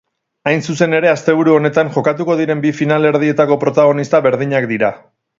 Hain zuzen ere, asteburu honetan jokatuko diren bi finalerdietako protagonista berdinak dira.